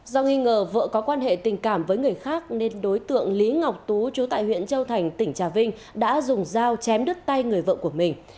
do nghi ngờ vợ có quan hệ tình cảm với người khác nên đối tượng lý ngọc tú chú tại huyện châu thành tỉnh trà vinh đã dùng dao chém đứt tay người vợ của mình